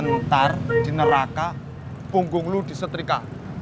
ntar di neraka punggung lu disetrika